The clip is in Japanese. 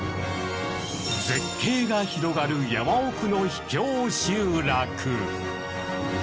絶景が広がる山奥の秘境集落。